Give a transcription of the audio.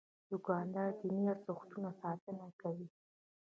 دوکاندار د دیني ارزښتونو ساتنه کوي.